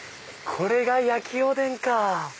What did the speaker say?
これが焼きおでんか！